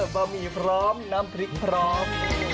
บะหมี่พร้อมน้ำพริกพร้อม